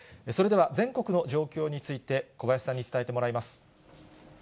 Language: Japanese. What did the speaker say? それでは、全国の状況について、小林さんに伝えてもらいます。